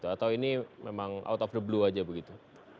atau ini memang out of the blue aja begitu